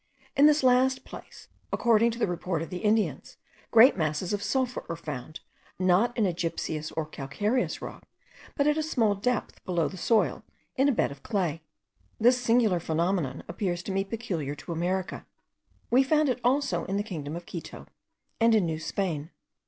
In this last place, according to the report of the Indians, great masses of sulphur are found, not in a gypseous or calcareous rock, but at a small depth below the soil, in a bed of clay. This singular phenomenon appears to me peculiar to America; we found it also in the kingdom of Quito, and in New Spain.